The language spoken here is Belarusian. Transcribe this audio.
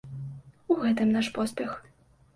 У гэтым наш поспех.